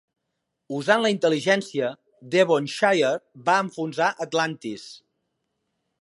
Usant la intel·ligència, "Devonshire" va enfonsar "Atlantis".